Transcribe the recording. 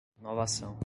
novação